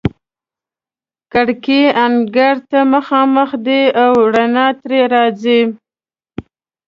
کړکۍ انګړ ته مخامخ دي او رڼا ترې راځي.